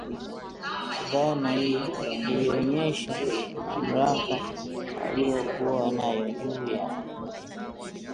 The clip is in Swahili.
Dhana hii ilionyesha mamlaka aliokuwa nayo juu ya mwanamke